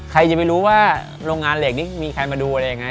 ใครจะไปรู้ว่าโรงงานเหล็กนี้มีใครมาดูอะไรยังไง